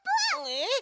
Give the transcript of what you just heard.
えっ？